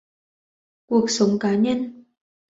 Cuộc sống cá nhân